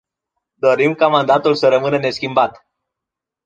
Dorim ca mandatul să rămână neschimbat.